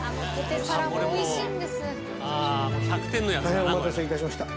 大変お待たせいたしました。